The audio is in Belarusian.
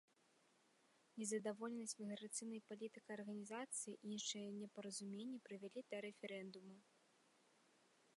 Незадаволенасць міграцыйнай палітыкай арганізацыі і іншыя непаразуменні прывялі да рэферэндуму.